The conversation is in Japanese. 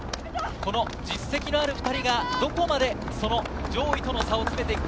実績のある２人がどこまで上位との差を詰めていくか。